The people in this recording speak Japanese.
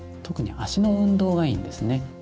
特に足の運動がいいんですね。